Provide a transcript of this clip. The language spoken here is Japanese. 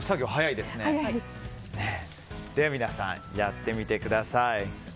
では皆さん、やってみてください。